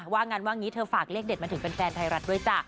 ว่างั้นว่างี้เธอฝากเลขเด็ดมาถึงแฟนไทยรัฐด้วยจ้ะ